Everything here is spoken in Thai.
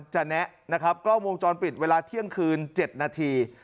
แนะนะครับกล้องวงจรปิดเวลาเที่ยงคืน๗นาที